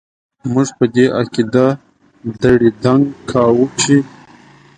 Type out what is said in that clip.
موږ په دې عقيده دړي دنګ کاوو چې ...